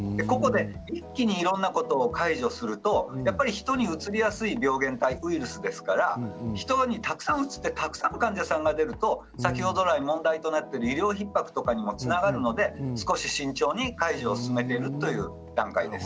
一気にいろんなことを解除してしまうと人にうつりやすい病原体ウイルスですからたくさんうつしてたくさんの患者さんが出ると先ほど来、問題となっている医療ひっ迫にもつながりますので慎重に解除を進めているという段階です。